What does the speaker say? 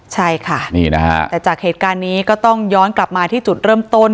ใช่ค่ะนี่นะฮะแต่จากเหตุการณ์นี้ก็ต้องย้อนกลับมาที่จุดเริ่มต้น